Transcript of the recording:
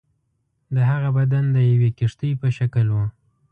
د هغه بدن د یوې کښتۍ په شکل وو.